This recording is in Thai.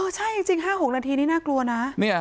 ใช่จริง๕๖นาทีนี่น่ากลัวนะ